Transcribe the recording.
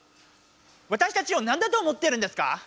わたしたちをなんだと思ってるんですか！